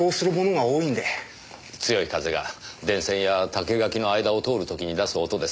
強い風が電線や竹垣の間を通る時に出す音です。